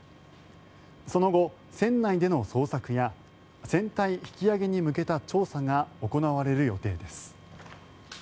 その後、船内での捜索や船体引き揚げに向けた調査が行われる予定です。